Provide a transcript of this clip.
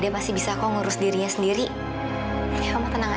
pencoba dia nyerah